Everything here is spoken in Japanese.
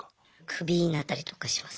クビになったりとかします。